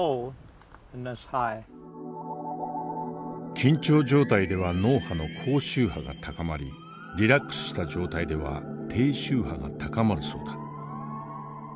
緊張状態では脳波の高周波が高まりリラックスした状態では低周波が高まるそうだ。